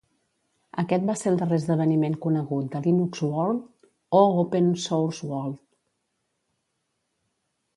Aquest va ser el darrer esdeveniment conegut de LinuxWorld o OpenSource World.